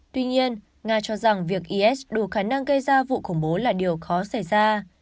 tuy nhiên nga cho rằng việc is đủ khả năng gây ra vụ khủng bố là điều khó xảy ra